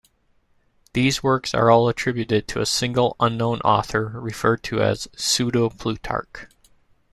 These works are all attributed to a single, unknown author, referred to as "Pseudo-Plutarch".